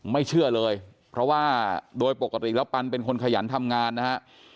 ไม่เชื่อเลยเพราะว่าโดยปกติแล้วปันเป็นคนขยันทำงานนะฮะ